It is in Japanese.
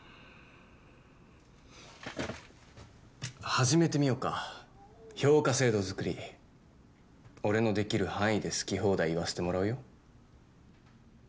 始めてみようか評価制度作り俺のできる範囲で好き放題言わせてもらうよ